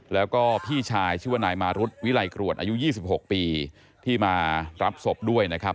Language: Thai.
แล้วก็พี่ชายชื่อว่านายมารุธวิลัยกรวดอายุ๒๖ปีที่มารับศพด้วยนะครับ